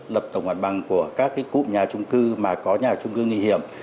lập tổng hoạt bằng của các cái cụm nhà chung cư mà có nhà chung cư nguy hiểm